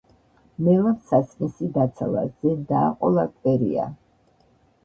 მელამ სასმისი დაცალა, ზედ დააყოლა კვერია,